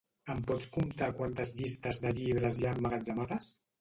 Em pots comptar quantes llistes de llibres hi ha emmagatzemades?